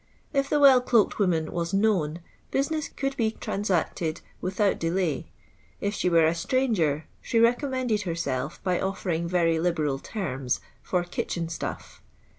If the well cloaked woman was known, business could be trans^ictcd without delay : if she were a stranger, she recommended herself by offering very liberal terms for " kitchen Btaff."